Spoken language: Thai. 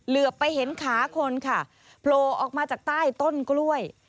เหลือไปเห็นขาคนค่ะโผล่ออกมาจากใต้ต้นกล้วย